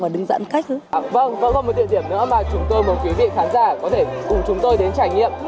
vâng vẫn còn một địa điểm nữa mà chúng tôi mong quý vị khán giả có thể cùng chúng tôi đến trải nghiệm